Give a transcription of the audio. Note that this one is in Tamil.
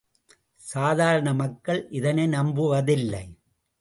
சாதாரண மக்கள் இதனை நம்புவதில்லை.